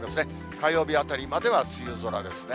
火曜日あたりまでは梅雨空ですね。